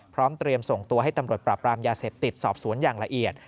เตรียมส่งตัวให้ตำรวจปราบรามยาเสพติดสอบสวนอย่างละเอียด